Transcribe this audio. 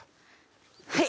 はい。